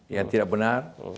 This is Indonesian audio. yang tidak benar